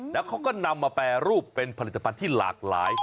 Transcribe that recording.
แล้วเขาก็นำมาแปรรูปเป็นผลิตภัณฑ์ที่หลากหลาย